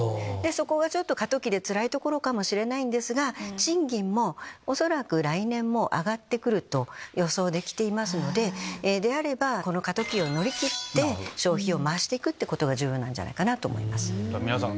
そこが過渡期でつらいところかもしれないんですが賃金も恐らく来年も上がると予想できていますのでであればこの過渡期を乗り切って消費を回していくことが重要なんじゃないかと思います。